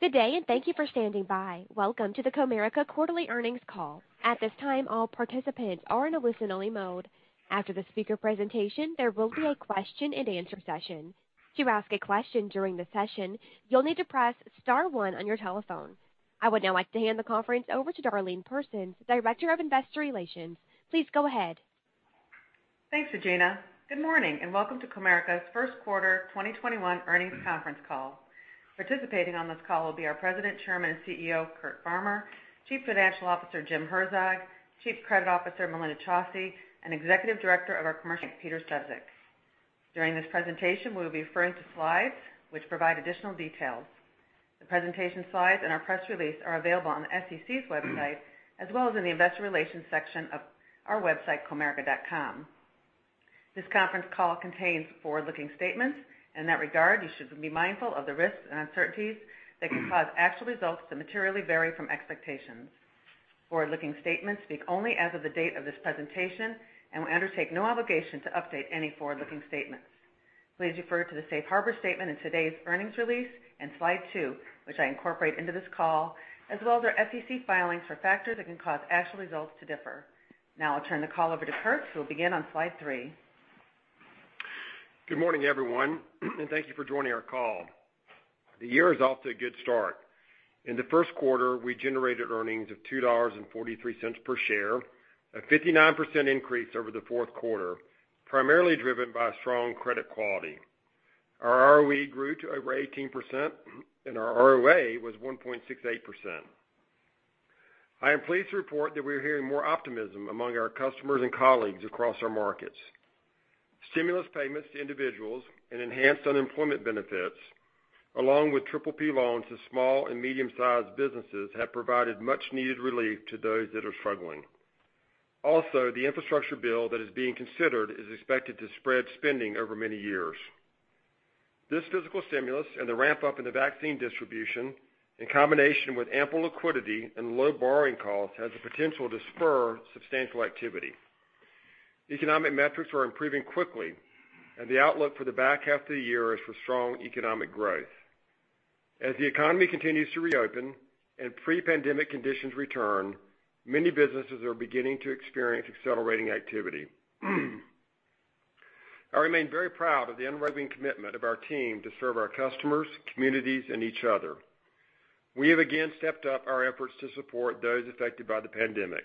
Good day, and thank you for standing by. Welcome to the Comerica quarterly earnings call. I would now like to hand the conference over to Darlene Persons, Director of Investor Relations. Please go ahead. Thanks, Regina. Good morning, welcome to Comerica's First Quarter 2021 Earnings Conference Call. Participating on this call will be our President, Chairman, and CEO, Curt Farmer, Chief Financial Officer, Jim Herzog, Chief Credit Officer, Melinda Chausse, and Executive Director of our Commercial Bank, Peter Sefzik. During this presentation, we will be referring to slides which provide additional details. The presentation slides and our press release are available on the SEC's website, as well as in the investor relations section of our website, comerica.com. This conference call contains forward-looking statements. In that regard, you should be mindful of the risks and uncertainties that can cause actual results to materially vary from expectations. Forward-looking statements speak only as of the date of this presentation. We undertake no obligation to update any forward-looking statements. Please refer to the safe harbor statement in today's earnings release and slide two, which I incorporate into this call, as well as our SEC filings for factors that can cause actual results to differ. Now I'll turn the call over to Curt, who will begin on slide three. Good morning, everyone, and thank you for joining our call. The year is off to a good start. In the first quarter, we generated earnings of $2.43 per share, a 59% increase over the fourth quarter, primarily driven by strong credit quality. Our ROE grew to over 18%, and our ROA was 1.68%. I am pleased to report that we are hearing more optimism among our customers and colleagues across our markets. Stimulus payments to individuals and enhanced unemployment benefits, along with PPP loans to small and medium-sized businesses, have provided much needed relief to those that are struggling. The infrastructure bill that is being considered is expected to spread spending over many years. This physical stimulus and the ramp-up in the vaccine distribution, in combination with ample liquidity and low borrowing costs, has the potential to spur substantial activity. Economic metrics are improving quickly, and the outlook for the back half of the year is for strong economic growth. As the economy continues to reopen and pre-pandemic conditions return, many businesses are beginning to experience accelerating activity. I remain very proud of the unwavering commitment of our team to serve our customers, communities, and each other. We have again stepped up our efforts to support those affected by the pandemic.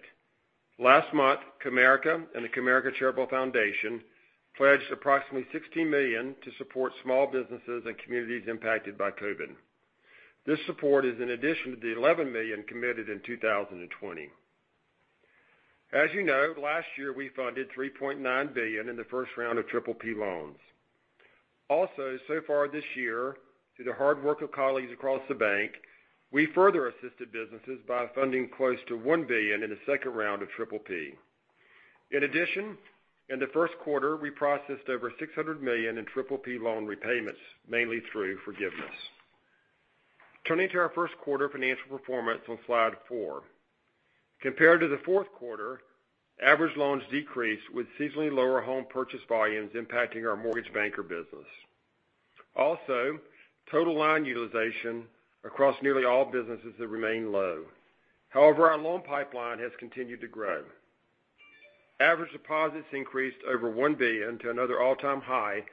Last month, Comerica and the Comerica Charitable Foundation pledged approximately $16 million to support small businesses and communities impacted by COVID. This support is in addition to the $11 million committed in 2020. As you know, last year, we funded $3.9 billion in the first round of PPP loans. So far this year, through the hard work of colleagues across the bank, we further assisted businesses by funding close to $1 billion in the second round of PPP. In addition, in the first quarter, we processed over $600 million in PPP loan repayments, mainly through forgiveness. Turning to our first quarter financial performance on slide four. Compared to the fourth quarter, average loans decreased with seasonally lower home purchase volumes impacting our mortgage banker business. Total loan utilization across nearly all businesses have remained low. However, our loan pipeline has continued to grow. Average deposits increased over $1 billion to another all-time high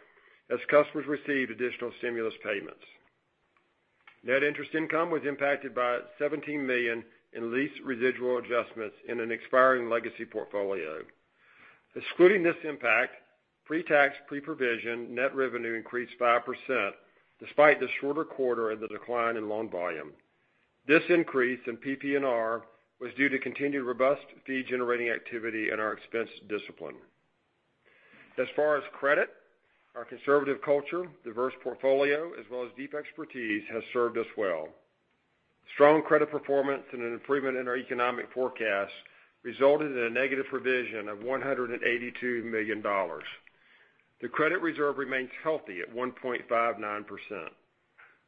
as customers received additional stimulus payments. Net interest income was impacted by $17 million in lease residual adjustments in an expiring legacy portfolio. Excluding this impact, pre-tax, pre-provision net revenue increased 5% despite the shorter quarter and the decline in loan volume. This increase in PPNR was due to continued robust fee-generating activity and our expense discipline. As far as credit, our conservative culture, diverse portfolio, as well as deep expertise, has served us well. Strong credit performance and an improvement in our economic forecast resulted in a negative provision of $182 million. The credit reserve remains healthy at 1.59%.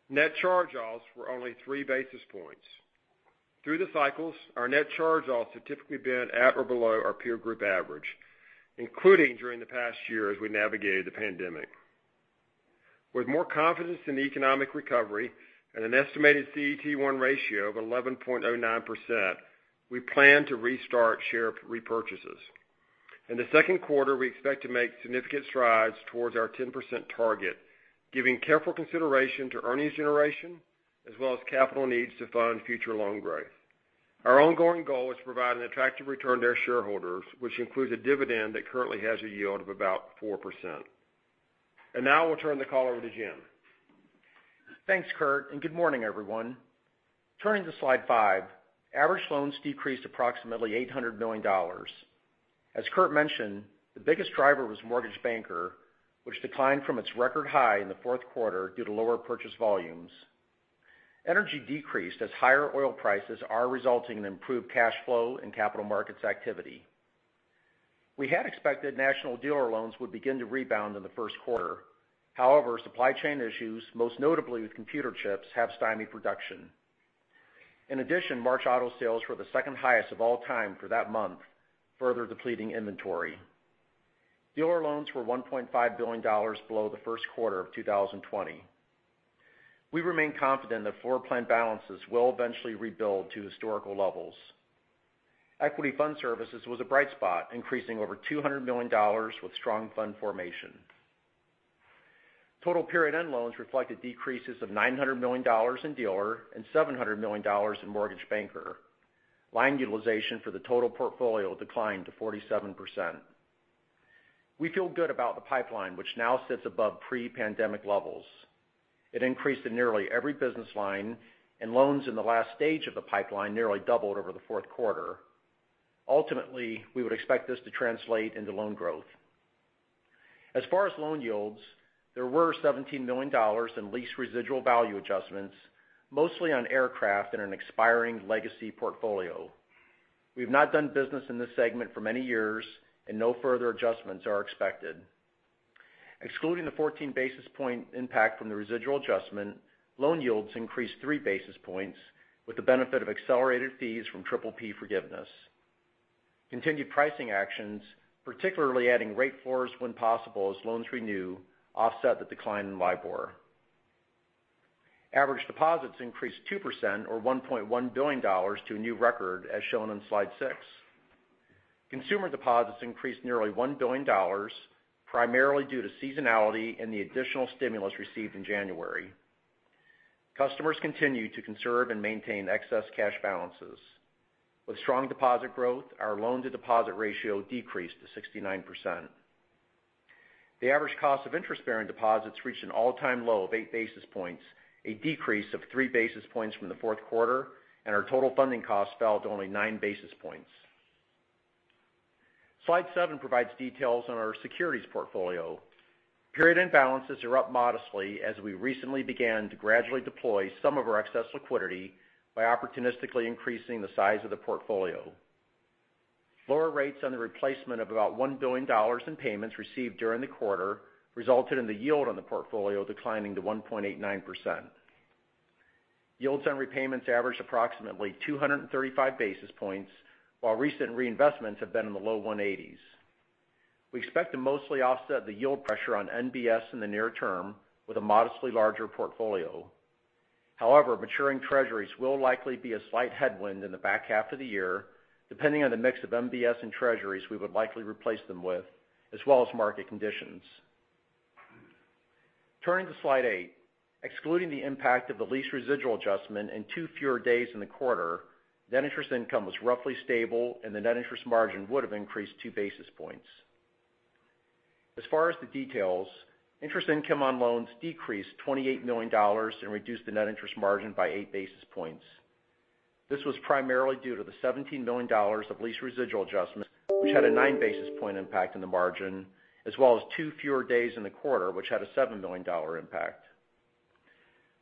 Net charge-offs were only 3 basis points. Through the cycles, our net charge-offs have typically been at or below our peer group average, including during the past year as we navigated the pandemic. With more confidence in the economic recovery and an estimated CET1 ratio of 11.09%, we plan to restart share repurchases. In the second quarter, we expect to make significant strides towards our 10% target, giving careful consideration to earnings generation, as well as capital needs to fund future loan growth. Our ongoing goal is to provide an attractive return to our shareholders, which includes a dividend that currently has a yield of about 4%. Now I will turn the call over to Jim. Thanks, Curt, and good morning, everyone. Turning to slide five. Average loans decreased approximately $800 million. As Curt mentioned, the biggest driver was mortgage banker, which declined from its record high in the fourth quarter due to lower purchase volumes. Energy decreased as higher oil prices are resulting in improved cash flow and capital markets activity. We had expected national dealer loans would begin to rebound in the first quarter. Supply chain issues, most notably with computer chips, have stymied production. March auto sales were the second highest of all time for that month, further depleting inventory. Dealer loans were $1.5 billion below the first quarter of 2020. We remain confident that floor plan balances will eventually rebuild to historical levels. Equity fund services was a bright spot, increasing over $200 million with strong fund formation. Total period end loans reflected decreases of $900 million in dealer and $700 million in mortgage banker. Line utilization for the total portfolio declined to 47%. We feel good about the pipeline, which now sits above pre-pandemic levels. It increased in nearly every business line, and loans in the last stage of the pipeline nearly doubled over the fourth quarter. Ultimately, we would expect this to translate into loan growth. As far as loan yields, there were $17 million in lease residual value adjustments, mostly on aircraft and an expiring legacy portfolio. We've not done business in this segment for many years, and no further adjustments are expected. Excluding the 14 basis point impact from the residual adjustment, loan yields increased 3 basis points with the benefit of accelerated fees from PPP forgiveness. Continued pricing actions, particularly adding rate floors when possible as loans renew, offset the decline in LIBOR. Average deposits increased 2% or $1.1 billion to a new record, as shown on slide six. Consumer deposits increased nearly $1 billion, primarily due to seasonality and the additional stimulus received in January. Customers continue to conserve and maintain excess cash balances. With strong deposit growth, our loan-to-deposit ratio decreased to 69%. The average cost of interest-bearing deposits reached an all-time low of 8 basis points, a decrease of 3 basis points from the fourth quarter, and our total funding cost fell to only 9 basis points. Slide seven provides details on our securities portfolio. Period-end balances are up modestly as we recently began to gradually deploy some of our excess liquidity by opportunistically increasing the size of the portfolio. Lower rates on the replacement of about $1 billion in payments received during the quarter resulted in the yield on the portfolio declining to 1.89%. Yields on repayments averaged approximately 235 basis points, while recent reinvestments have been in the low 180s. We expect to mostly offset the yield pressure on MBS in the near term with a modestly larger portfolio. Maturing Treasuries will likely be a slight headwind in the back half of the year, depending on the mix of MBS and Treasuries we would likely replace them with, as well as market conditions. Turning to slide eight. Excluding the impact of the lease residual adjustment and two fewer days in the quarter, net interest income was roughly stable and the net interest margin would have increased 2 basis points. As far as the details, interest income on loans decreased $28 million and reduced the net interest margin by 8 basis points. This was primarily due to the $17 million of lease residual adjustments, which had a 9-basis point impact on the margin, as well as two fewer days in the quarter, which had a $7 million impact.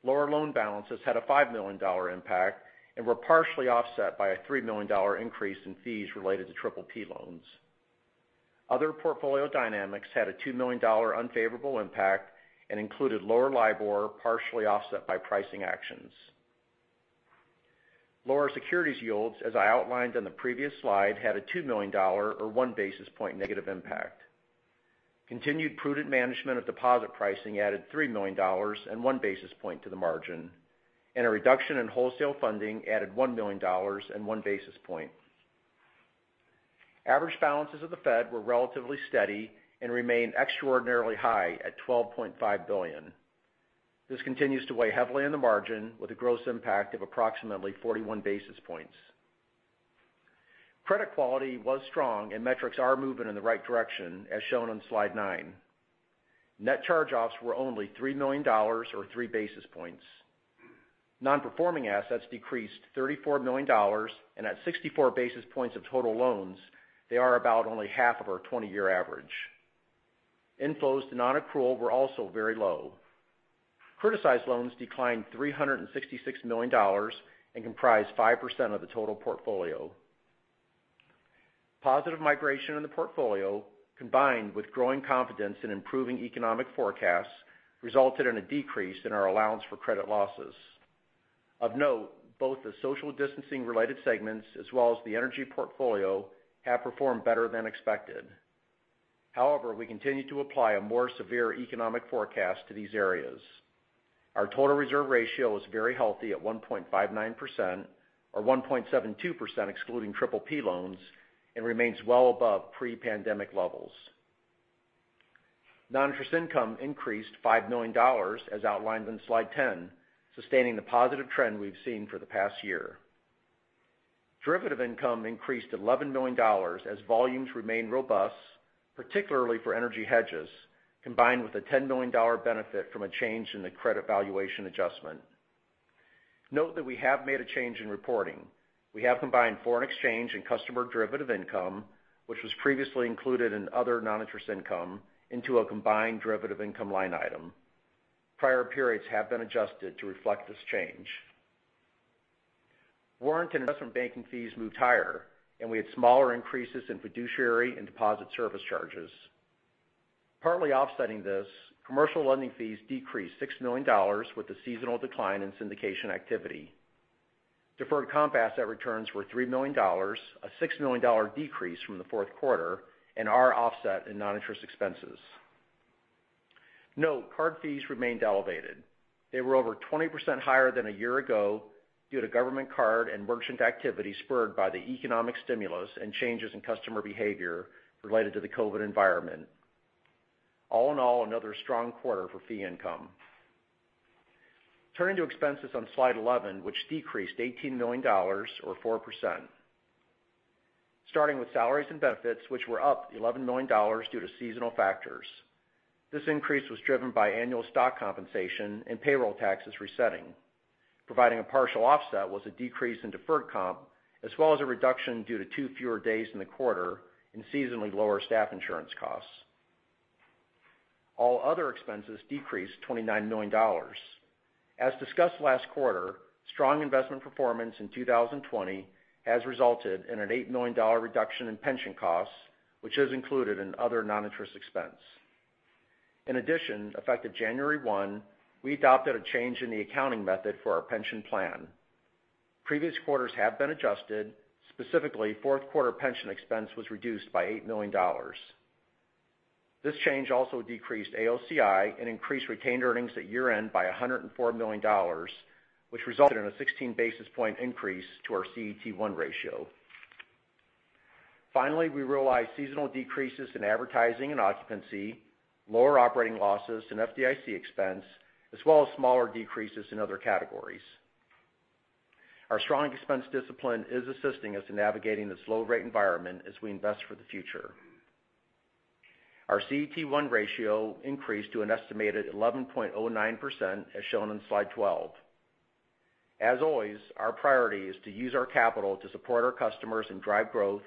Lower loan balances had a $5 million impact and were partially offset by a $3 million increase in fees related to PPP loans. Other portfolio dynamics had a $2 million unfavorable impact and included lower LIBOR, partially offset by pricing actions. Lower securities yields, as I outlined on the previous slide, had a $2 million or 1-basis point negative impact. Continued prudent management of deposit pricing added $3 million and 1 basis point to the margin, and a reduction in wholesale funding added $1 million and 1 basis point. Average balances of the Fed were relatively steady and remain extraordinarily high at $12.5 billion. This continues to weigh heavily on the margin with a gross impact of approximately 41 basis points. Credit quality was strong and metrics are moving in the right direction, as shown on slide nine. Net charge-offs were only $3 million or 3 basis points. Non-performing assets decreased $34 million, and at 64 basis points of total loans, they are about only half of our 20-year average. Inflows to non-accrual were also very low. Criticized loans declined $366 million and comprise 5% of the total portfolio. Positive migration in the portfolio, combined with growing confidence in improving economic forecasts, resulted in a decrease in our allowance for credit losses. Of note, both the social distancing-related segments as well as the energy portfolio have performed better than expected. We continue to apply a more severe economic forecast to these areas. Our total reserve ratio is very healthy at 1.59%, or 1.72% excluding PPP loans, and remains well above pre-pandemic levels. Non-interest income increased $5 million, as outlined in slide 10, sustaining the positive trend we've seen for the past year. Derivative income increased $11 million as volumes remained robust, particularly for energy hedges, combined with a $10 million benefit from a change in the credit valuation adjustment. Note that we have made a change in reporting. We have combined foreign exchange and customer derivative income, which was previously included in other non-interest income, into a combined derivative income line item. Prior periods have been adjusted to reflect this change. Warrant and investment banking fees moved higher, and we had smaller increases in fiduciary and deposit service charges. Partly offsetting this, commercial lending fees decreased $6 million with the seasonal decline in syndication activity. Deferred comp asset returns were $3 million, a $6 million decrease from the fourth quarter, and are offset in non-interest expenses. Note, card fees remained elevated. They were over 20% higher than a year ago due to government card and merchant activity spurred by the economic stimulus and changes in customer behavior related to the COVID environment. All in all, another strong quarter for fee income. Turning to expenses on slide 11, which decreased $18 million or 4%. Starting with salaries and benefits, which were up $11 million due to seasonal factors. This increase was driven by annual stock compensation and payroll taxes resetting. Providing a partial offset was a decrease in deferred comp, as well as a reduction due to two fewer days in the quarter and seasonally lower staff insurance costs. All other expenses decreased $29 million. As discussed last quarter, strong investment performance in 2020 has resulted in an $8 million reduction in pension costs, which is included in other non-interest expense. In addition, effective January 1, we adopted a change in the accounting method for our pension plan. Previous quarters have been adjusted. Specifically, fourth quarter pension expense was reduced by $8 million. This change also decreased AOCI and increased retained earnings at year-end by $104 million, which resulted in a 16 basis point increase to our CET1 ratio. Finally, we realized seasonal decreases in advertising and occupancy, lower operating losses and FDIC expense, as well as smaller decreases in other categories. Our strong expense discipline is assisting us in navigating this low-rate environment as we invest for the future. Our CET1 ratio increased to an estimated 11.09%, as shown on slide 12. As always, our priority is to use our capital to support our customers and drive growth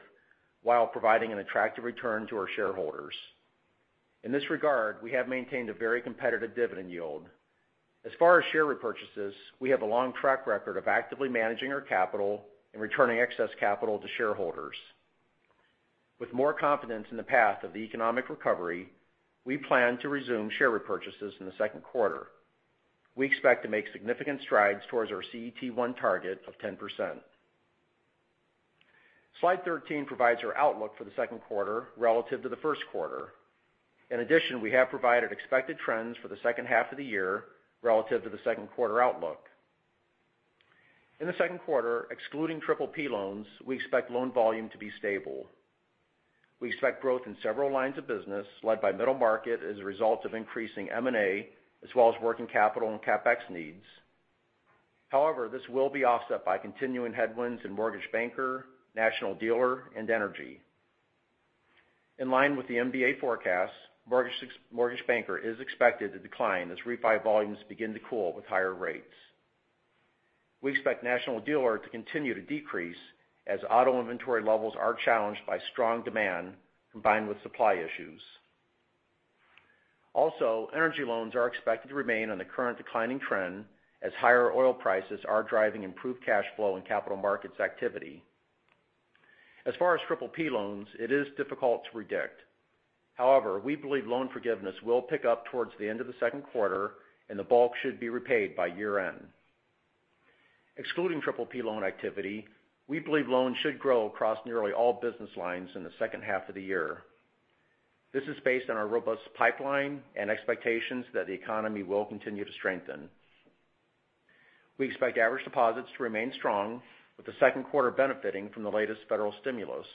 while providing an attractive return to our shareholders. In this regard, we have maintained a very competitive dividend yield. As far as share repurchases, we have a long track record of actively managing our capital and returning excess capital to shareholders. With more confidence in the path of the economic recovery, we plan to resume share repurchases in the second quarter. We expect to make significant strides towards our CET1 target of 10%. Slide 13 provides our outlook for the second quarter relative to the first quarter. We have provided expected trends for the second half of the year relative to the second quarter outlook. In the second quarter, excluding PPP loans, we expect loan volume to be stable. We expect growth in several lines of business, led by middle market as a result of increasing M&A as well as working capital and CapEx needs. This will be offset by continuing headwinds in mortgage banker, national dealer, and energy. In line with the MBA forecast, mortgage banker is expected to decline as refi volumes begin to cool with higher rates. We expect national dealer to continue to decrease as auto inventory levels are challenged by strong demand combined with supply issues. Also, energy loans are expected to remain on the current declining trend as higher oil prices are driving improved cash flow and capital markets activity. As far as PPP loans, it is difficult to predict. However, we believe loan forgiveness will pick up towards the end of the second quarter and the bulk should be repaid by year-end. Excluding PPP loan activity, we believe loans should grow across nearly all business lines in the second half of the year. This is based on our robust pipeline and expectations that the economy will continue to strengthen. We expect average deposits to remain strong, with the second quarter benefiting from the latest federal stimulus.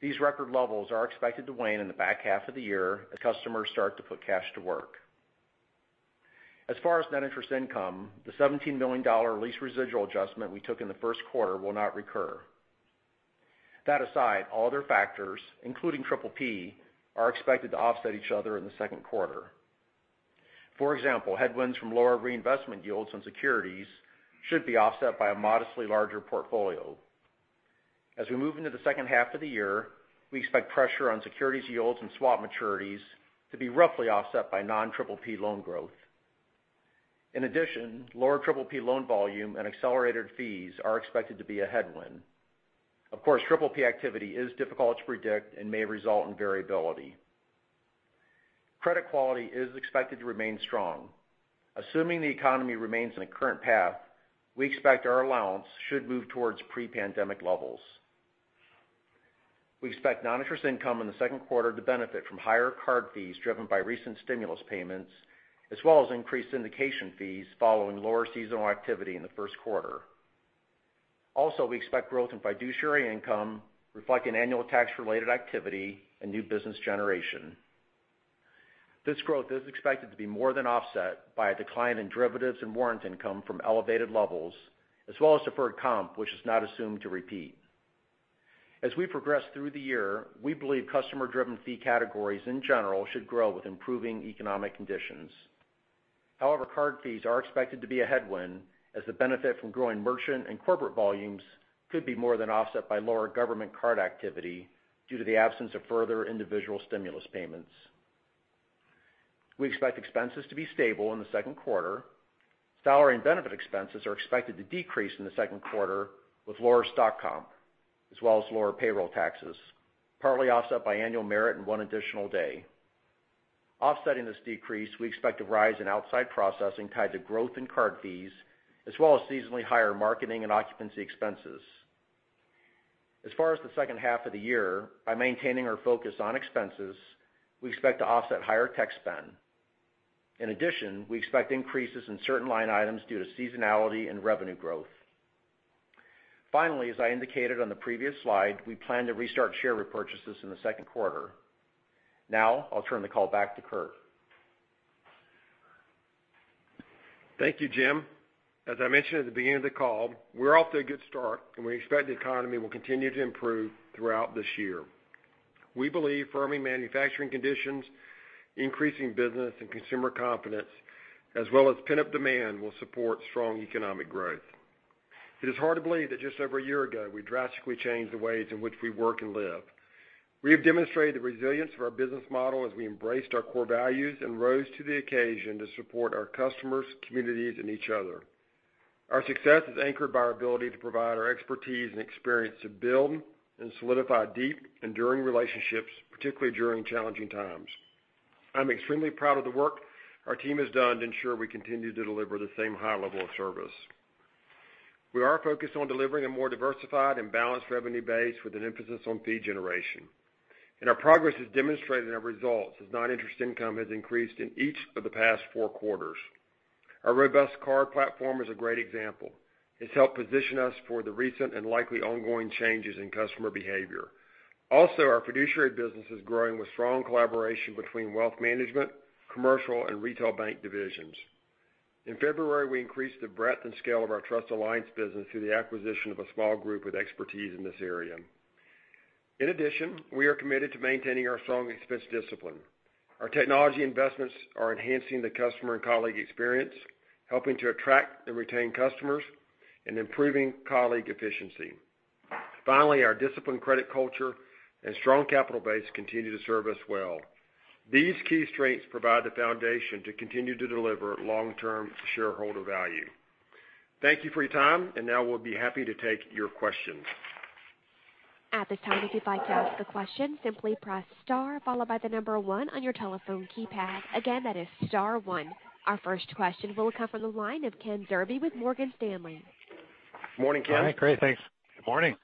These record levels are expected to wane in the back half of the year as customers start to put cash to work. As far as net interest income, the $17 million lease residual adjustment we took in the first quarter will not recur. That aside, all other factors, including PPP, are expected to offset each other in the second quarter. For example, headwinds from lower reinvestment yields on securities should be offset by a modestly larger portfolio. As we move into the second half of the year, we expect pressure on securities yields and swap maturities to be roughly offset by non-PPP loan growth. In addition, lower PPP loan volume and accelerated fees are expected to be a headwind. Of course, PPP activity is difficult to predict and may result in variability. Credit quality is expected to remain strong. Assuming the economy remains on the current path, we expect our allowance should move towards pre-pandemic levels. We expect non-interest income in the second quarter to benefit from higher card fees driven by recent stimulus payments, as well as increased syndication fees following lower seasonal activity in the first quarter. Also, we expect growth in fiduciary income reflecting annual tax-related activity and new business generation. This growth is expected to be more than offset by a decline in derivatives and warrant income from elevated levels, as well as deferred comp, which is not assumed to repeat. As we progress through the year, we believe customer-driven fee categories in general should grow with improving economic conditions. However, card fees are expected to be a headwind as the benefit from growing merchant and corporate volumes could be more than offset by lower government card activity due to the absence of further individual stimulus payments. We expect expenses to be stable in the second quarter. Salary and benefit expenses are expected to decrease in the second quarter with lower stock comp as well as lower payroll taxes, partly offset by annual merit and one additional day. Offsetting this decrease, we expect a rise in outside processing tied to growth in card fees, as well as seasonally higher marketing and occupancy expenses. As far as the second half of the year, by maintaining our focus on expenses, we expect to offset higher tech spend. In addition, we expect increases in certain line items due to seasonality and revenue growth. Finally, as I indicated on the previous slide, we plan to restart share repurchases in the second quarter. Now, I'll turn the call back to Curt. Thank you, Jim. As I mentioned at the beginning of the call, we're off to a good start, and we expect the economy will continue to improve throughout this year. We believe firming manufacturing conditions, increasing business and consumer confidence, as well as pent-up demand will support strong economic growth. It is hard to believe that just over a year ago, we drastically changed the ways in which we work and live. We have demonstrated the resilience of our business model as we embraced our core values and rose to the occasion to support our customers, communities, and each other. Our success is anchored by our ability to provide our expertise and experience to build and solidify deep, enduring relationships, particularly during challenging times. I'm extremely proud of the work our team has done to ensure we continue to deliver the same high level of service. We are focused on delivering a more diversified and balanced revenue base with an emphasis on fee generation. Our progress is demonstrated in our results, as non-interest income has increased in each of the past four quarters. Our robust card platform is a great example. It's helped position us for the recent and likely ongoing changes in customer behavior. Our fiduciary business is growing with strong collaboration between Wealth Management, Commercial, and Retail Bank divisions. In February, we increased the breadth and scale of our trust alliance business through the acquisition of a small group with expertise in this area. We are committed to maintaining our strong expense discipline. Our technology investments are enhancing the customer and colleague experience, helping to attract and retain customers, and improving colleague efficiency. Our disciplined credit culture and strong capital base continue to serve us well. These key strengths provide the foundation to continue to deliver long-term shareholder value. Thank you for your time, and now we'll be happy to take your questions. Our first question will come from the line of Ken Zerbe with Morgan Stanley. Morning, Ken. Hi. Great. Thanks. Good morning.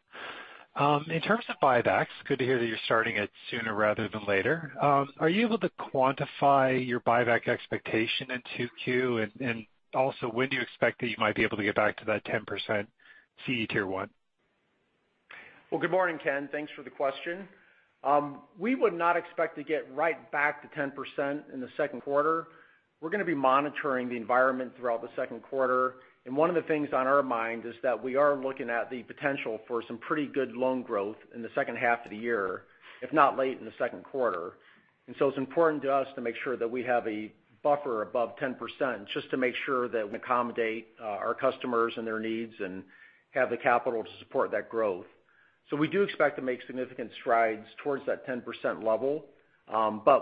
In terms of buybacks, good to hear that you're starting it sooner rather than later. Are you able to quantify your buyback expectation in 2Q? Also, when do you expect that you might be able to get back to that 10% CET1? Well, good morning, Ken. Thanks for the question. We would not expect to get right back to 10% in the second quarter. We're going to be monitoring the environment throughout the second quarter. One of the things on our mind is that we are looking at the potential for some pretty good loan growth in the second half of the year, if not late in the second quarter. It's important to us to make sure that we have a buffer above 10%, just to make sure that we accommodate our customers and their needs and have the capital to support that growth. We do expect to make significant strides towards that 10% level.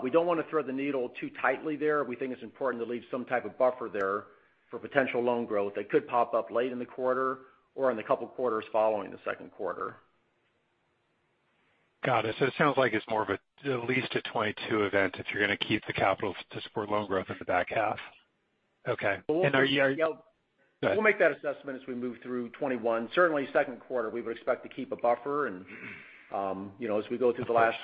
We don't want to thread the needle too tightly there. We think it's important to leave some type of buffer there for potential loan growth that could pop up late in the quarter or in the couple quarters following the second quarter. Got it. It sounds like it's more of at least a 2022 event if you're going to keep the capital to support loan growth in the back half. Okay. Well, Go ahead. We'll make that assessment as we move through 2021. Certainly second quarter, we would expect to keep a buffer and as we go through the last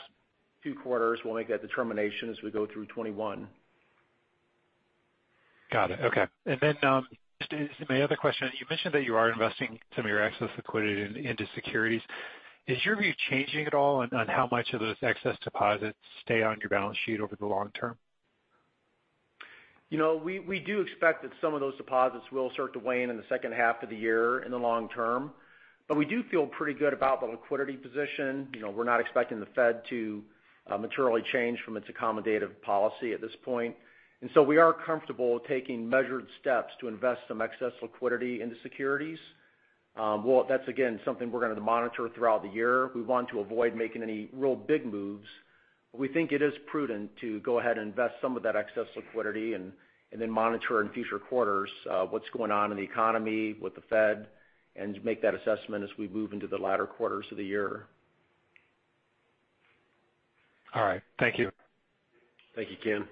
two quarters, we'll make that determination as we go through 2021. Got it. Okay. My other question, you mentioned that you are investing some of your excess liquidity into securities. Is your view changing at all on how much of those excess deposits stay on your balance sheet over the long term? We do expect that some of those deposits will start to wane in the second half of the year in the long term. We do feel pretty good about the liquidity position. We're not expecting the Fed to materially change from its accommodative policy at this point. We are comfortable taking measured steps to invest some excess liquidity into securities. Well, that's again, something we're going to monitor throughout the year. We want to avoid making any real big moves. We think it is prudent to go ahead and invest some of that excess liquidity and then monitor in future quarters what's going on in the economy with the Fed and make that assessment as we move into the latter quarters of the year. All right. Thank you. Thank you, Ken.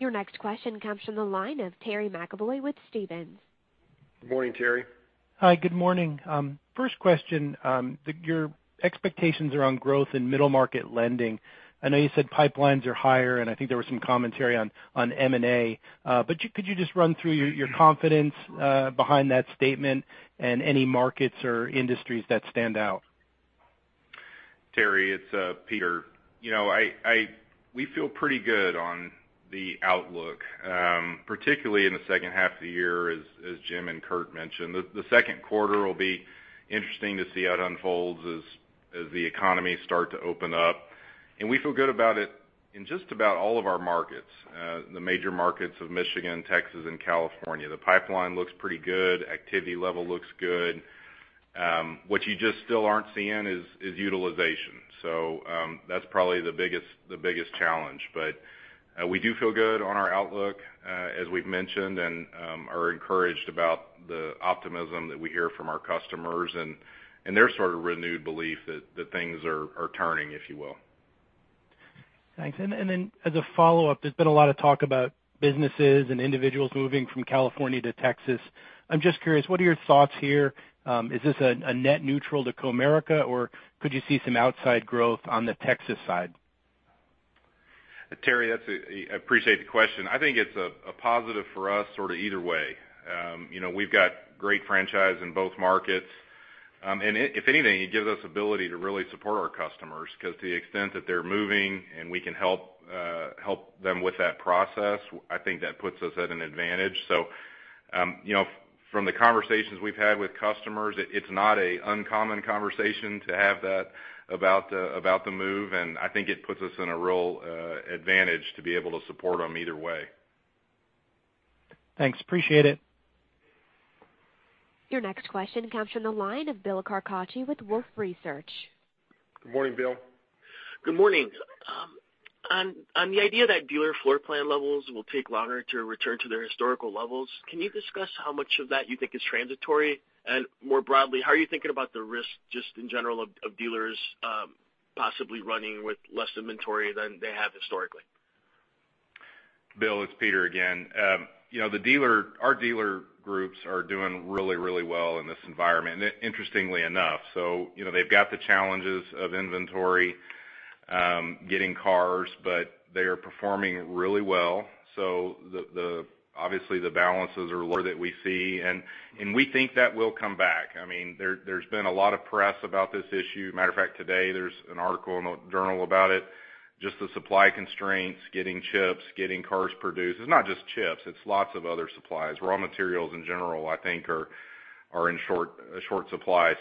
Your next question comes from the line of Terry McEvoy with Stephens. Good morning, Terry. Hi. Good morning. First question, your expectations around growth in middle market lending. I know you said pipelines are higher, and I think there was some commentary on M&A. Could you just run through your confidence behind that statement and any markets or industries that stand out? Terry, it's Peter. We feel pretty good on the outlook, particularly in the second half of the year, as Jim and Curt mentioned. The second quarter will be interesting to see how it unfolds as the economy start to open up. We feel good about it in just about all of our markets, the major markets of Michigan, Texas, and California. The pipeline looks pretty good. Activity level looks good. What you just still aren't seeing is utilization. That's probably the biggest challenge. We do feel good on our outlook, as we've mentioned, and are encouraged about the optimism that we hear from our customers and their sort of renewed belief that things are turning, if you will. Thanks. As a follow-up, there's been a lot of talk about businesses and individuals moving from California to Texas. I'm just curious, what are your thoughts here? Is this a net neutral to Comerica, or could you see some outside growth on the Texas side? Terry, I appreciate the question. I think it's a positive for us sort of either way. We've got great franchise in both markets. If anything, it gives us ability to really support our customers because to the extent that they're moving and we can help them with that process, I think that puts us at an advantage. From the conversations we've had with customers, it's not a uncommon conversation to have that about the move, and I think it puts us in a real advantage to be able to support them either way. Thanks, appreciate it. Your next question comes from the line of Bill Carcache with Wolfe Research. Good morning, Bill. Good morning. On the idea that dealer floor plan levels will take longer to return to their historical levels, can you discuss how much of that you think is transitory? More broadly, how are you thinking about the risk, just in general, of dealers possibly running with less inventory than they have historically? Bill, it's Peter again. Our dealer groups are doing really well in this environment, interestingly enough. They've got the challenges of inventory, getting cars, but they are performing really well. Obviously, the balances are lower that we see, and we think that will come back. There's been a lot of press about this issue. Matter of fact, today, there's an article in the Journal about it, just the supply constraints, getting chips, getting cars produced. It's not just chips, it's lots of other supplies. Raw materials in general, I think are in short supply.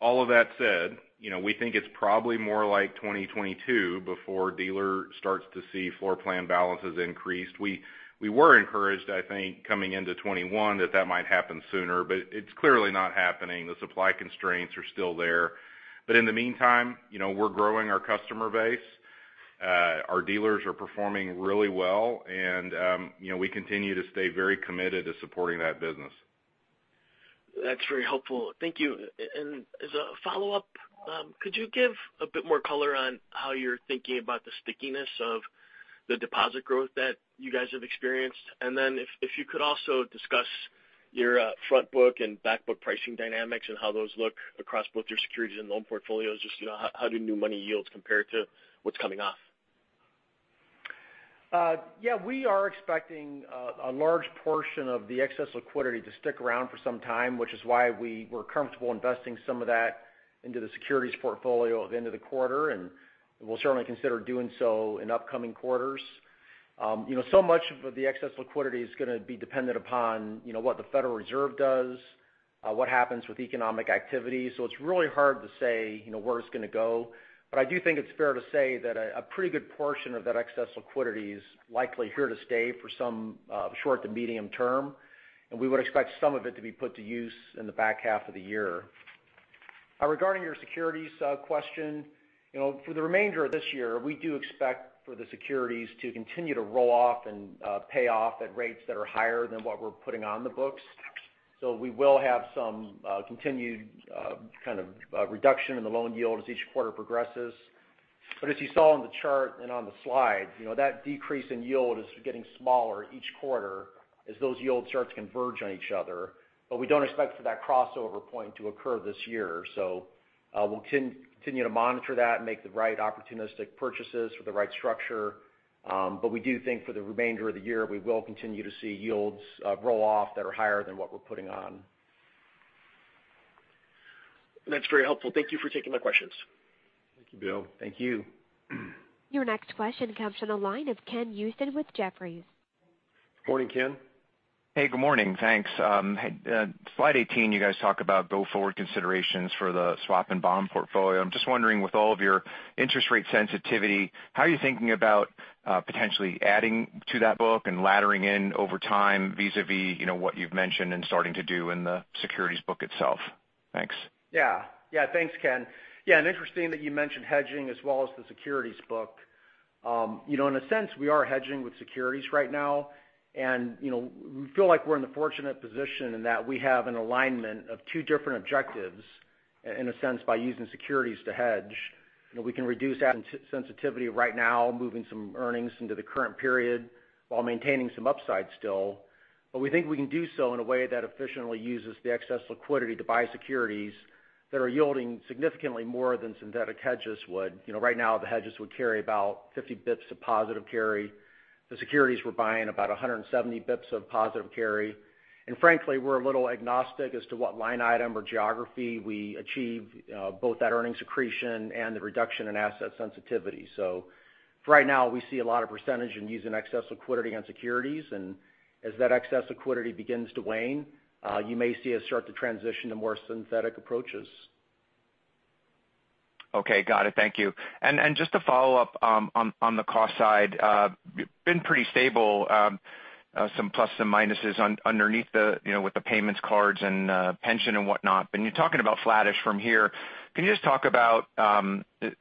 All of that said, we think it's probably more like 2022 before dealer starts to see floor plan balances increased. We were encouraged, I think, coming into 2021 that that might happen sooner, but it's clearly not happening. The supply constraints are still there. In the meantime, we're growing our customer base. Our dealers are performing really well and we continue to stay very committed to supporting that business. That's very helpful. Thank you. As a follow-up, could you give a bit more color on how you're thinking about the stickiness of the deposit growth that you guys have experienced? Then if you could also discuss your front book and back book pricing dynamics and how those look across both your securities and loan portfolios, just how do new money yields compare to what's coming off? Yeah, we are expecting a large portion of the excess liquidity to stick around for some time, which is why we were comfortable investing some of that into the securities portfolio at the end of the quarter, and we'll certainly consider doing so in upcoming quarters. Much of the excess liquidity is going to be dependent upon what the Federal Reserve does, what happens with economic activity. It's really hard to say where it's going to go. I do think it's fair to say that a pretty good portion of that excess liquidity is likely here to stay for some short to medium term, and we would expect some of it to be put to use in the back half of the year. Regarding your securities question, for the remainder of this year, we do expect for the securities to continue to roll off and pay off at rates that are higher than what we're putting on the books. We will have some continued kind of reduction in the loan yield as each quarter progresses. As you saw on the chart and on the slides, that decrease in yield is getting smaller each quarter as those yields start to converge on each other. We don't expect for that crossover point to occur this year. We'll continue to monitor that and make the right opportunistic purchases for the right structure. We do think for the remainder of the year, we will continue to see yields roll off that are higher than what we're putting on. That's very helpful. Thank you for taking my questions. Thank you, Bill. Thank you. Your next question comes from the line of Ken Usdin with Jefferies. Morning, Ken. Hey, good morning. Thanks. Slide 18, you guys talk about go-forward considerations for the swap and bond portfolio. I'm just wondering, with all of your interest rate sensitivity, how are you thinking about potentially adding to that book and laddering in over time vis-a-vis what you've mentioned and starting to do in the securities book itself? Thanks. Thanks, Ken. Interesting that you mentioned hedging as well as the securities book. In a sense, we are hedging with securities right now, and we feel like we're in the fortunate position in that we have an alignment of two different objectives, in a sense, by using securities to hedge. We can reduce that sensitivity right now, moving some earnings into the current period while maintaining some upside still. We think we can do so in a way that efficiently uses the excess liquidity to buy securities that are yielding significantly more than synthetic hedges would. Right now, the hedges would carry about 50 basis points of positive carry. The securities we're buying about 170 basis points of positive carry. Frankly, we're a little agnostic as to what line item or geography we achieve both that earnings accretion and the reduction in asset sensitivity. For right now, we see a lot of percentage in using excess liquidity on securities, and as that excess liquidity begins to wane, you may see us start to transition to more synthetic approaches. Okay, got it. Thank you. Just to follow up on the cost side, been pretty stable, some plus and minuses underneath with the payments cards and pension and whatnot. You're talking about flattish from here. Can you just talk about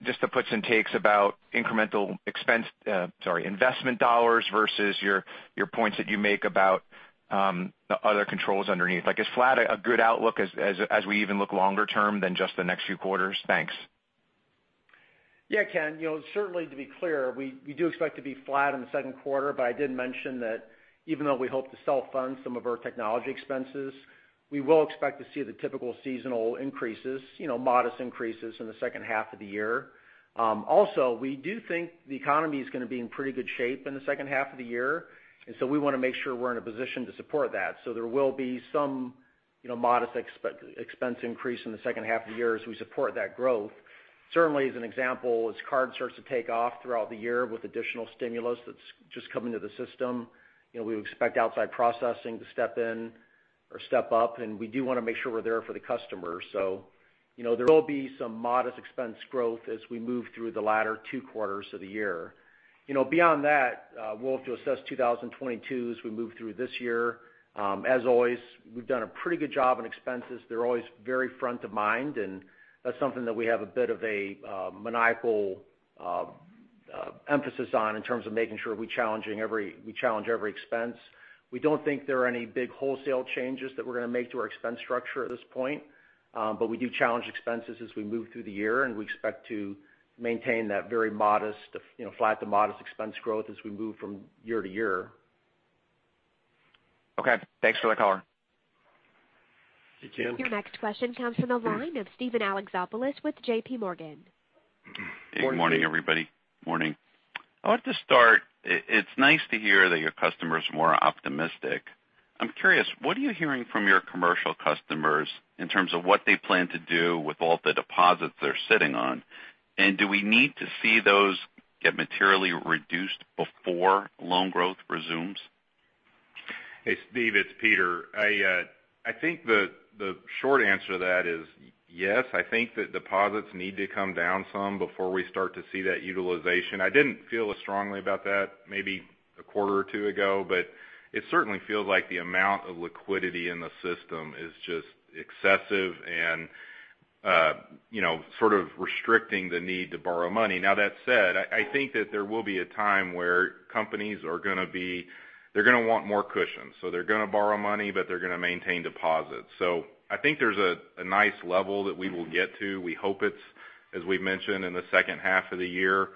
just the puts and takes about incremental investment dollars versus your points that you make about the other controls underneath? Like is flat a good outlook as we even look longer term than just the next few quarters? Thanks. Yeah, Ken. Certainly to be clear, we do expect to be flat in the second quarter, but I did mention that even though we hope to self-fund some of our technology expenses, we will expect to see the typical seasonal increases, modest increases in the second half of the year. We do think the economy is going to be in pretty good shape in the second half of the year, and so we want to make sure we're in a position to support that. There will be some modest expense increase in the second half of the year as we support that growth. Certainly, as an example, as card starts to take off throughout the year with additional stimulus that's just coming to the system, we expect outside processing to step in or step up, and we do want to make sure we're there for the customers. There will be some modest expense growth as we move through the latter two quarters of the year. Beyond that, we'll have to assess 2022 as we move through this year. As always, we've done a pretty good job on expenses. They're always very front of mind, and that's something that we have a bit of a maniacal emphasis on in terms of making sure we challenge every expense. We don't think there are any big wholesale changes that we're going to make to our expense structure at this point. We do challenge expenses as we move through the year, and we expect to maintain that very modest, flat to modest expense growth as we move from year to year. Okay. Thanks for the color. Thank you. Your next question comes from the line of Steven Alexopoulos with JPMorgan. Good morning, everybody. Morning. I'll have to start. It's nice to hear that your customers are more optimistic. I'm curious, what are you hearing from your commercial customers in terms of what they plan to do with all the deposits they're sitting on? Do we need to see those get materially reduced before loan growth resumes? Hey, Steve, it's Peter. I think the short answer to that is yes. I think that deposits need to come down some before we start to see that utilization. I didn't feel as strongly about that maybe a quarter or two ago, but it certainly feels like the amount of liquidity in the system is just excessive and sort of restricting the need to borrow money. Now, that said, I think that there will be a time where companies are going to want more cushion. They're going to borrow money, but they're going to maintain deposits. I think there's a nice level that we will get to. We hope it's, as we've mentioned, in the second half of the year,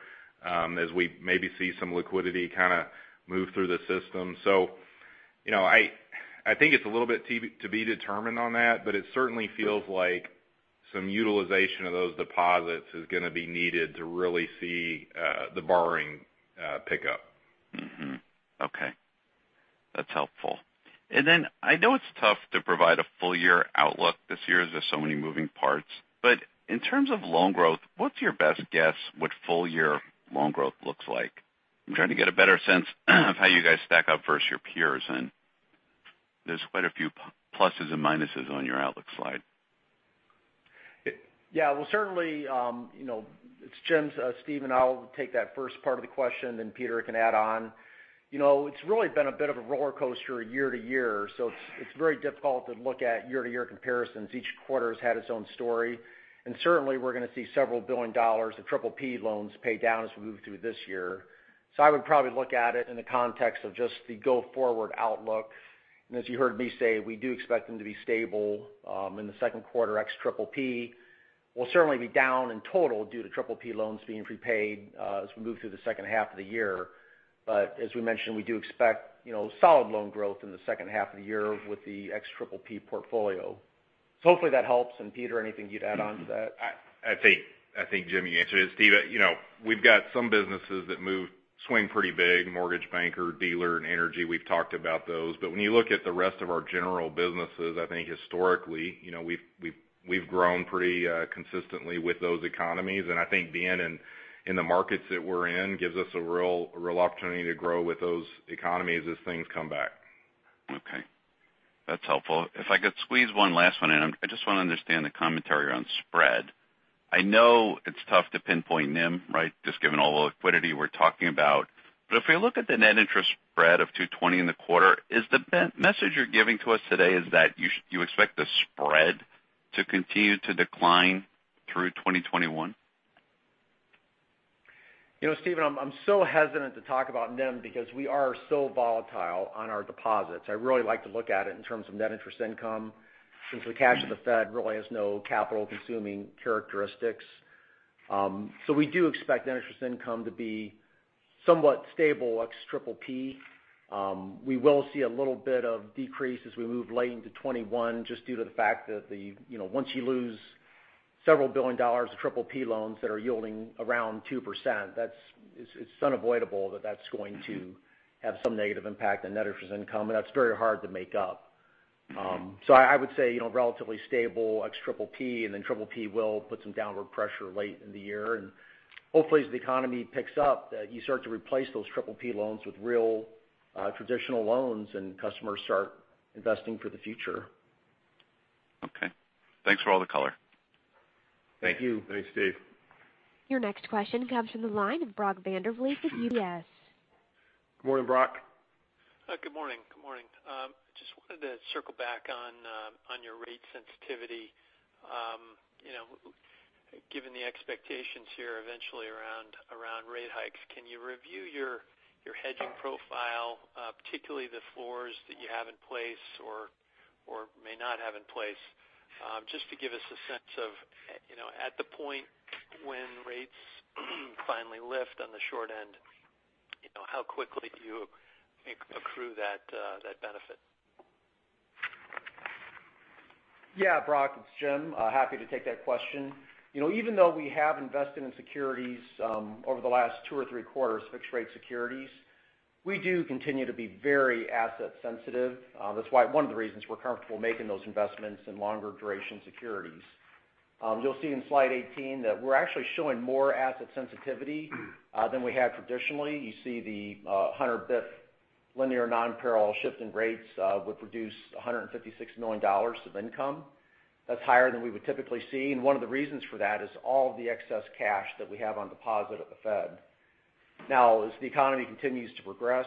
as we maybe see some liquidity kind of move through the system. I think it's a little bit to be determined on that, but it certainly feels like some utilization of those deposits is going to be needed to really see the borrowing pickup. Okay. That's helpful. I know it's tough to provide a full-year outlook this year as there's so many moving parts, but in terms of loan growth, what's your best guess what full-year loan growth looks like? I'm trying to get a better sense of how you guys stack up versus your peers, and there's quite a few pluses and minuses on your outlook slide. Yeah. Well, certainly, it's Jim. Steven, I'll take that first part of the question, then Peter can add on. It's really been a bit of a roller coaster year-to-year, so it's very difficult to look at year-to-year comparisons. Each quarter has had its own story. Certainly, we're going to see several billion dollars of PPP loans paid down as we move through this year. I would probably look at it in the context of just the go-forward outlook. As you heard me say, we do expect them to be stable in the second quarter, ex PPP. We'll certainly be down in total due to PPP loans being prepaid as we move through the second half of the year. As we mentioned, we do expect solid loan growth in the second half of the year with the ex PPP portfolio. Hopefully that helps. Peter, anything you'd add on to that? I think, Jim, you answered it. Steve, we've got some businesses that swing pretty big, mortgage banker, dealer, and energy. We've talked about those. When you look at the rest of our general businesses, I think historically, we've grown pretty consistently with those economies, and I think being in the markets that we're in gives us a real opportunity to grow with those economies as things come back. Okay. That's helpful. If I could squeeze one last one in. I just want to understand the commentary around spread. I know it's tough to pinpoint NIM, right? Just given all the liquidity we're talking about. If we look at the net interest spread of 220 in the quarter, is the message you're giving to us today is that you expect the spread to continue to decline through 2021? Steve, I'm so hesitant to talk about NIM because we are so volatile on our deposits. I really like to look at it in terms of net interest income, since the cash of the Fed really has no capital-consuming characteristics. We do expect net interest income to be somewhat stable, ex PPP. We will see a little bit of decrease as we move late into 2021, just due to the fact that once you lose several billion dollars of PPP loans that are yielding around 2%, it's unavoidable that that's going to have some negative impact on net interest income, and that's very hard to make up. I would say, relatively stable, ex PPP, and then PPP will put some downward pressure late in the year. Hopefully, as the economy picks up, that you start to replace those PPP loans with real traditional loans and customers start investing for the future. Okay. Thanks for all the color. Thank you. Thanks, Steve. Your next question comes from the line of Brock Vandervliet with UBS. Morning, Brock. Good morning. Just wanted to circle back on your rate sensitivity, given the expectations here eventually around rate hikes. Can you review your hedging profile, particularly the floors that you have in place or may not have in place? Just to give us a sense of at the point when rates finally lift on the short end, how quickly do you accrue that benefit? Yeah, Brock, it's Jim. Happy to take that question. Even though we have invested in securities over the last two or three quarters, fixed rate securities, we do continue to be very asset sensitive. That's one of the reasons we're comfortable making those investments in longer duration securities. You'll see in slide 18 that we're actually showing more asset sensitivity than we have traditionally. You see the 100 basis points linear non-parallel shift in rates would produce $156 million of income. That's higher than we would typically see, and one of the reasons for that is all of the excess cash that we have on deposit at the Fed. Now, as the economy continues to progress,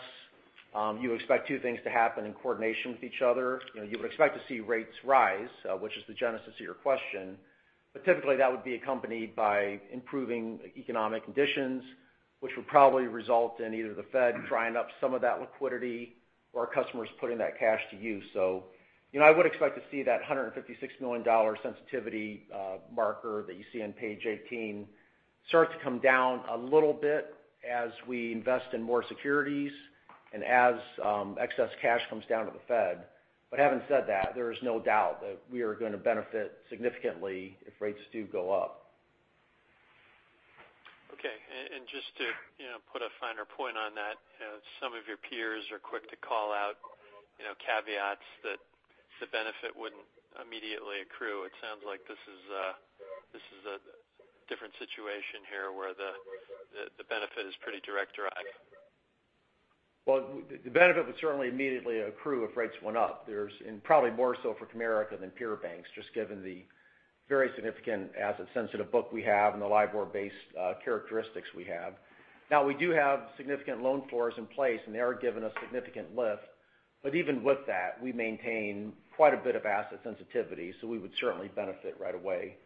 you expect two things to happen in coordination with each other. You would expect to see rates rise, which is the genesis of your question. Typically, that would be accompanied by improving economic conditions, which would probably result in either the Fed drying up some of that liquidity or customers putting that cash to use. I would expect to see that $156 million sensitivity marker that you see on page 18 start to come down a little bit as we invest in more securities and as excess cash comes down to the Fed. Having said that, there is no doubt that we are going to benefit significantly if rates do go up. Okay. Just to put a finer point on that, some of your peers are quick to call out caveats that the benefit wouldn't immediately accrue. It sounds like this is a different situation here, where the benefit is pretty direct derived. Well, the benefit would certainly immediately accrue if rates went up. There's probably more so for Comerica than peer banks, just given the very significant asset sensitive book we have and the LIBOR-based characteristics we have. Now, we do have significant loan floors in place, and they are giving a significant lift. Even with that, we maintain quite a bit of asset sensitivity, so we would certainly benefit right away.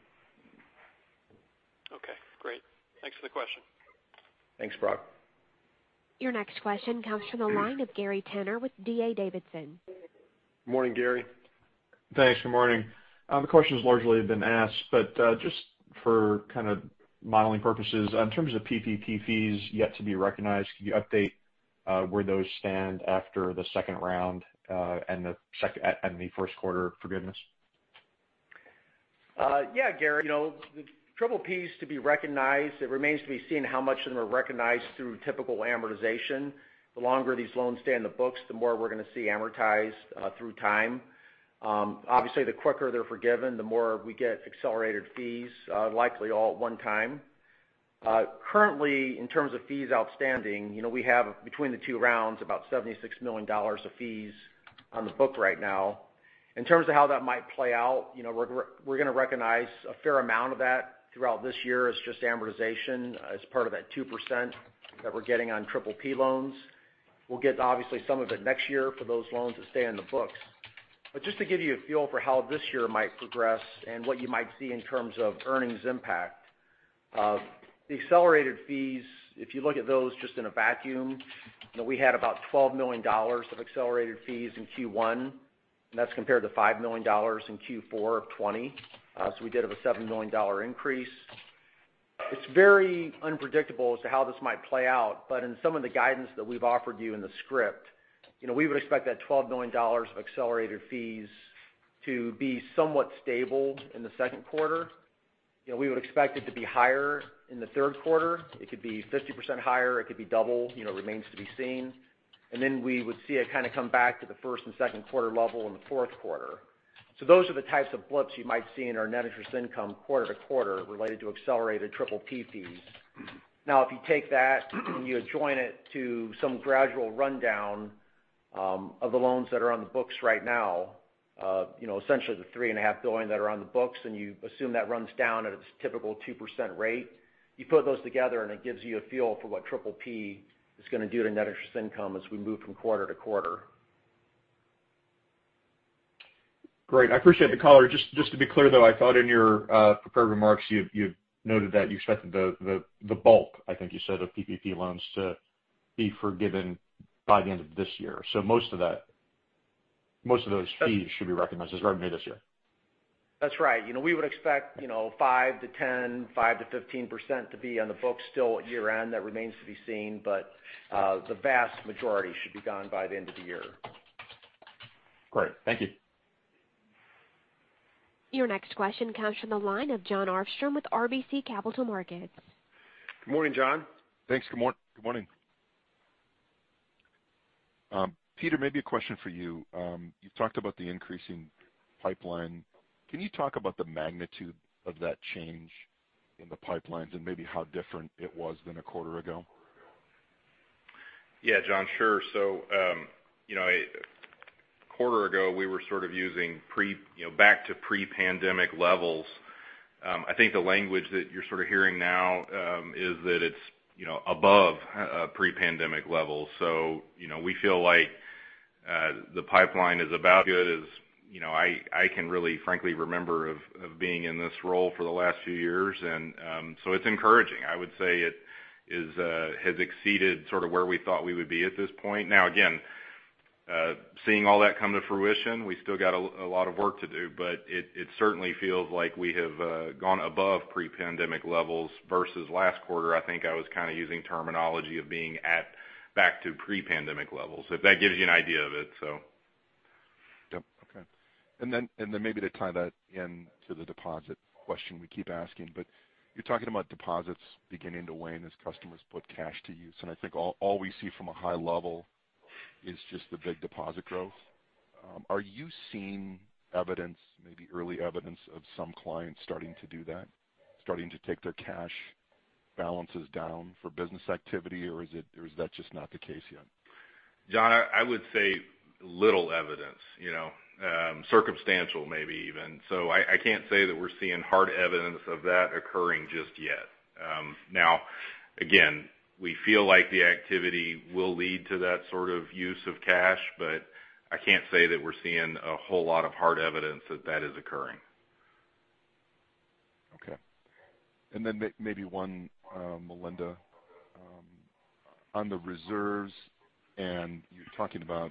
Okay, great. Thanks for the question. Thanks, Brock. Your next question comes from the line of Gary Tenner with D.A. Davidson. Morning, Gary. Thanks. Good morning. The question's largely been asked, but just for modeling purposes, in terms of PPP fees yet to be recognized, can you update where those stand after the second round and the first quarter forgiveness? Yeah, Gary. The PPP is to be recognized. It remains to be seen how much of them are recognized through typical amortization. The longer these loans stay on the books, the more we're going to see amortized through time. Obviously, the quicker they're forgiven, the more we get accelerated fees, likely all at one time. Currently, in terms of fees outstanding, we have between the two rounds, about $76 million of fees on the book right now. In terms of how that might play out, we're going to recognize a fair amount of that throughout this year as just amortization as part of that 2% that we're getting on PPP loans. We'll get, obviously, some of it next year for those loans that stay on the books. Just to give you a feel for how this year might progress and what you might see in terms of earnings impact. The accelerated fees, if you look at those just in a vacuum, we had about $12 million of accelerated fees in Q1, and that's compared to $5 million in Q4 of 2020. We did have a $7 million increase. It's very unpredictable as to how this might play out, but in some of the guidance that we've offered you in the script, we would expect that $12 million of accelerated fees to be somewhat stable in the second quarter. We would expect it to be higher in the third quarter. It could be 50% higher, it could be double. Remains to be seen. We would see it kind of come back to the first and second quarter level in the fourth quarter. Those are the types of blips you might see in our net interest income quarter-to-quarter related to accelerated PPP fees. If you take that and you adjoin it to some gradual rundown of the loans that are on the books right now. Essentially the $3.5 billion that are on the books, and you assume that runs down at its typical 2% rate. You put those together, and it gives you a feel for what PPP is going to do to net interest income as we move from quarter-to-quarter. Great. I appreciate the color. Just to be clear, though, I thought in your prepared remarks, you noted that you expected the bulk, I think you said, of PPP loans to be forgiven by the end of this year. Most of those fees should be recognized as revenue this year. That's right. We would expect 5%-10%, 5%-15% to be on the books still at year-end. That remains to be seen, but the vast majority should be gone by the end of the year. Great. Thank you. Your next question comes from the line of Jon Arfstrom with RBC Capital Markets. Good morning, Jon. Thanks. Good morning. Peter, maybe a question for you. You've talked about the increasing pipeline. Can you talk about the magnitude of that change in the pipelines and maybe how different it was than a quarter ago? Yeah. Jon, sure. A quarter ago, we were sort of using back to pre-pandemic levels. I think the language that you're sort of hearing now is that it's above pre-pandemic levels. We feel like the pipeline is about as good as I can really frankly remember of being in this role for the last few years. It's encouraging. I would say it has exceeded sort of where we thought we would be at this point. Now again, seeing all that come to fruition, we still got a lot of work to do, but it certainly feels like we have gone above pre-pandemic levels versus last quarter, I think I was kind of using terminology of being at back to pre-pandemic levels, if that gives you an idea of it. Yep. Okay. Then maybe to tie that into the deposit question we keep asking, but you're talking about deposits beginning to wane as customers put cash to use, and I think all we see from a high level is just the big deposit growth. Are you seeing evidence, maybe early evidence of some clients starting to do that? Starting to take their cash balances down for business activity? Or is that just not the case yet? Jon, I would say little evidence, circumstantial maybe even. I can't say that we're seeing hard evidence of that occurring just yet. Now again, we feel like the activity will lead to that sort of use of cash, but I can't say that we're seeing a whole lot of hard evidence that that is occurring. Okay. Maybe one, Melinda, on the reserves and you talking about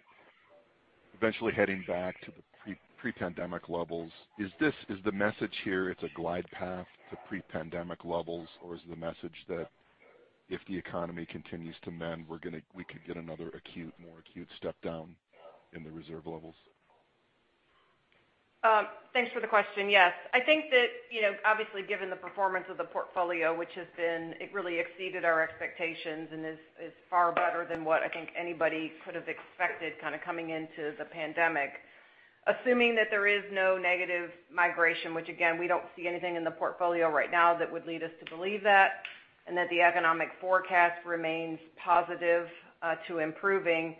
eventually heading back to the pre-pandemic levels. Is the message here it's a glide path to pre-pandemic levels? Is the message that if the economy continues to mend, we could get another more acute step down in the reserve levels? Thanks for the question. Yes. I think that, obviously given the performance of the portfolio, which has been, it really exceeded our expectations and is far better than what I think anybody could have expected kind of coming into the pandemic. Assuming that there is no negative migration, which again, we don't see anything in the portfolio right now that would lead us to believe that, and that the economic forecast remains positive to improving,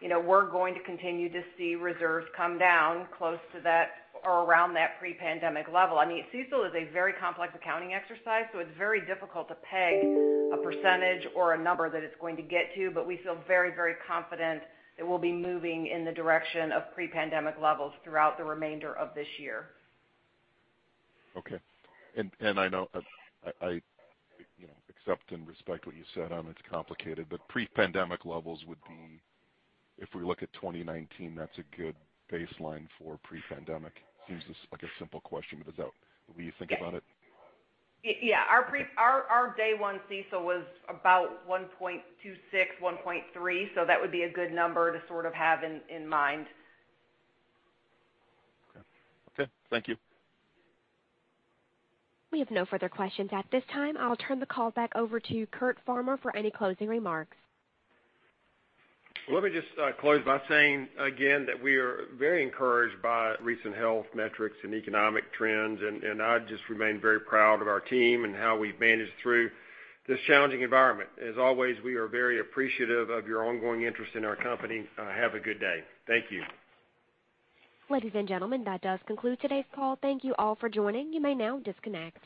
we're going to continue to see reserves come down close to that or around that pre-pandemic level. CECL is a very complex accounting exercise, so it's very difficult to peg a percentage or a number that it's going to get to, but we feel very confident that we'll be moving in the direction of pre-pandemic levels throughout the remainder of this year. Okay. I know I accept and respect what you said on it's complicated, but pre-pandemic levels would be, if we look at 2019, that's a good baseline for pre-pandemic. Seems like a simple question, but is that the way you think about it? Yeah. Our day one CECL was about 1.26%, 1.3%, so that would be a good number to sort of have in mind. Okay. Thank you. We have no further questions at this time. I'll turn the call back over to Curt Farmer for any closing remarks. Let me just close by saying again that we are very encouraged by recent health metrics and economic trends, and I just remain very proud of our team and how we've managed through this challenging environment. As always, we are very appreciative of your ongoing interest in our company. Have a good day. Thank you. Ladies and gentlemen, that does conclude today's call. Thank you all for joining. You may now disconnect.